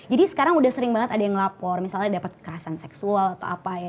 jadi sekarang udah sering banget ada yang lapor misalnya dapet kekerasan seksual atau apa ya